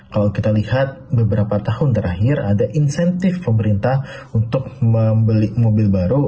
kalau kita lihat beberapa tahun terakhir ada insentif pemerintah untuk membeli mobil baru